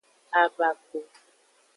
Avako.